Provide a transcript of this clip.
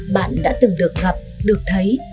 bạn đã từng được gặp được thấy